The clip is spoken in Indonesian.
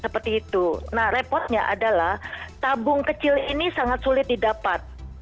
nah repotnya adalah tabung kecil ini sangat sulit didapat